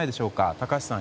高橋さん